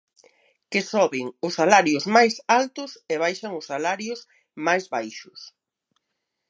Que soben os salarios máis altos e baixan os salarios máis baixos.